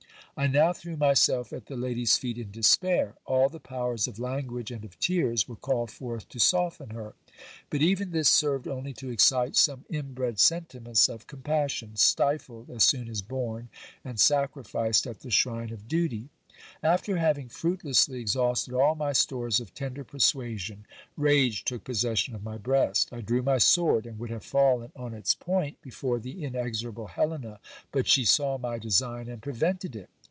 I now threw myself at the lady's feet in despair. All the powers of language and of tears were called forth to soften her. But even this served only to excite some inbred sentiments of compassion, stifled as soon as born, and sacrificed at HISTORY OF DO.Y GASTOX DE COGOLLOS. 32s the shrine of duty. After having fruitlessly exhausted all my stores of tender persuasion, rage took possession of my breast. I drew my sword, and would have fallen on its point before the inexorable Helena, but she saw my design and prevented it.